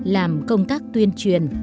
làm công tác tuyên truyền